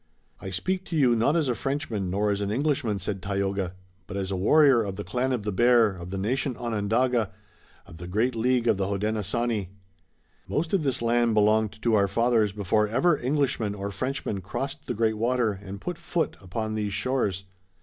"I speak to you not as a Frenchman nor as an Englishman," said Tayoga, "but as a warrior of the clan of the Bear of the nation Onondaga, of the great League of the Hodenosaunee. Most of this land belonged to our fathers before ever Englishmen or Frenchmen crossed the great water and put foot upon these shores.